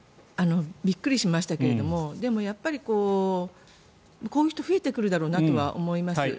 びっくりしましたけれどもでもやっぱりこういう人増えてくるだろうなとは思います。